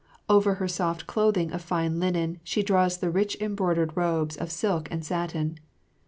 Over her soft clothing of fine linen she draws the rich embroidered robes of silk and satin.